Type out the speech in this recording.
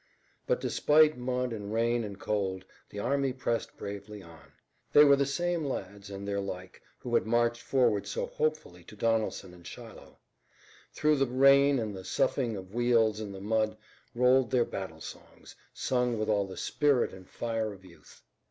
But despite mud and rain and cold, the army pressed bravely on. They were the same lads and their like who had marched forward so hopefully to Donelson and Shiloh. Through the rain and the soughing of wheels in the mud rolled their battle songs, sung with all the spirit and fire of youth.